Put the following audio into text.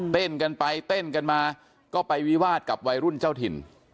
เต้นกันไปเต้นกันมาก็ไปวิวาสกับวัยรุ่นเจ้าถิ่น